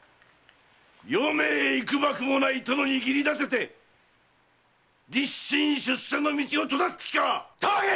余命いくばくもない殿に義理立て立身出世の道を閉ざす気か⁉たわけ！